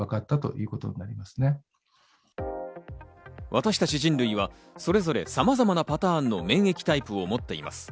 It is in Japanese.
私たち人類はそれぞれさまざまなパターンの免疫タイプを持っています。